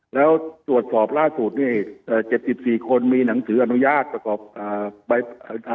แล้วตรวจสอบล่าสุดนี่เอ่อเจ็ดสิบสี่คนมีหนังสืออนุญาตประกอบอ่าใบอ่า